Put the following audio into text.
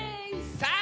さあ